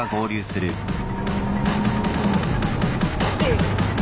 うっ！